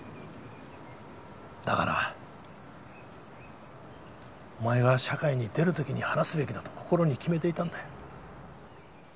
だからお前が社会に出る時に話すべきだと心に決めていたんだよ。